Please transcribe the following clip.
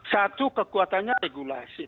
satu kekuatannya regulasi